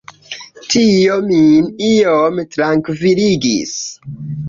Tio min iom trankviligis.